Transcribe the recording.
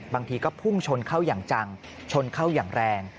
บางทีก็พุ่งชนเข้าอย่างจังชนเข้าอย่างแรง